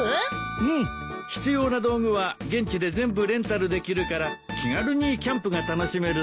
うん必要な道具は現地で全部レンタルできるから気軽にキャンプが楽しめるんだ。